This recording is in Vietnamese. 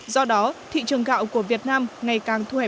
do đó thị trường gạo của việt nam ngày càng thu hẹp